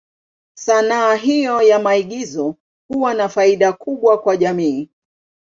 Sanaa hiyo ya maigizo huwa na faida kubwa kwa jamii.